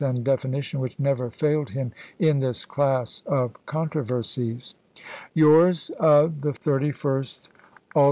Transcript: and definition which never failed him in this class of controversies : Yours of the 31st ult.